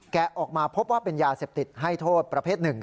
แกะออกมาพบว่าเป็นยาเสพติดให้โทษประเภทหนึ่ง